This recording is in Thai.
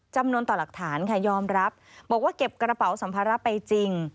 จำนวนต่อหลักฐานค่ะยอมรับบอกว่าเก็บกระเป๋าสัมภาระไปจริง